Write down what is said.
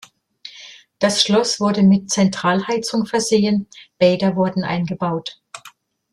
Das Schloss wurde mit Zentralheizung versehen; Bäder wurden eingebaut.